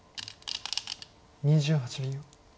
２８秒。